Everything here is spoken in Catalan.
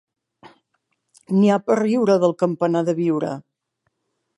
N'hi ha per riure del campanar de Biure!